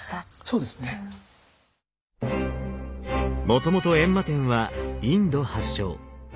もともと閻魔天はインド発祥。